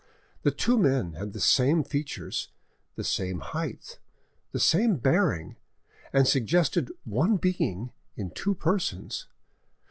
The two men had the same features, the same height, the same bearing, and suggested one being in two persons.